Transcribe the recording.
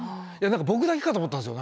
僕だけかと思ったんですよ。